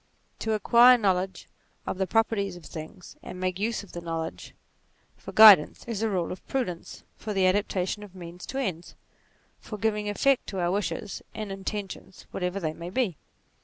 To acquire knowledge of the pro perties of things, and make use of the knowledge for guidance, is a rule of prudence, for the adaptation of means to ends ; for giving effect to our wishes and intentions whatever they may be.